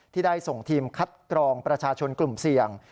ที่ได้ส่งทีมคัดกรองประชาชนกลุ่มเสี่ยง